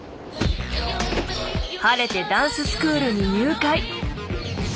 晴れてダンススクールに入会！